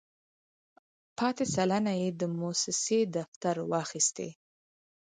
پاتې سلنه یې د موسسې دفتر واخیستې.